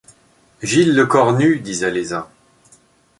Gilles Lecornu ! disaient les uns.